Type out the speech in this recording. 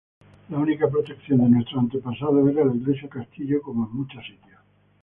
La única protección de nuestros antepasados era la iglesia-castillo como en muchos sitios.